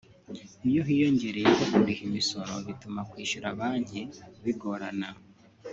Iyo hiyongereyeho kuriha imisoro bituma kwishyura banki bigorana